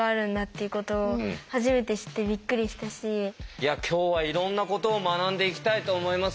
いや今日はいろんなことを学んでいきたいと思います。